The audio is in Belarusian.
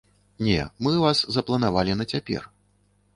Не, мы вас запланавалі на цяпер.